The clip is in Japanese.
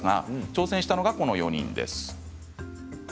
挑戦したのがこの４人です。